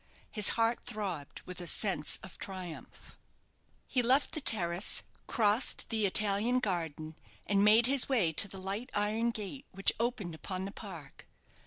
His heart throbbed with a sense of triumph. He left the terrace, crossed the Italian garden, and made his way to the light iron gate which opened upon the park.